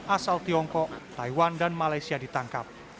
asal tiongkok taiwan dan malaysia ditangkap